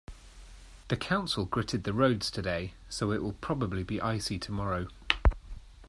The council gritted the roads today, so it will probably be Icy tomorrow.